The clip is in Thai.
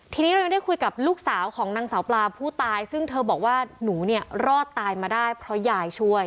ทีนี้เรายังได้คุยกับลูกสาวของนางสาวปลาผู้ตายซึ่งเธอบอกว่าหนูเนี่ยรอดตายมาได้เพราะยายช่วย